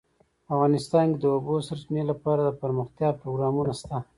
افغانستان کې د د اوبو سرچینې لپاره دپرمختیا پروګرامونه شته.